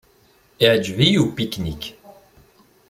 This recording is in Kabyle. Iεǧeb-iyi upiknik.